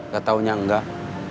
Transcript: gak tahunya enggak